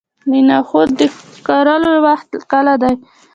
د نخودو د کرلو وخت کله دی؟